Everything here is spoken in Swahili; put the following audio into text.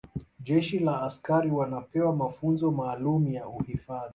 jeshi la askari wanapewa mafunzo maalumu ya uhifadhi